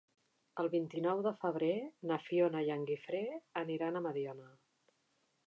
El vint-i-nou de febrer na Fiona i en Guifré aniran a Mediona.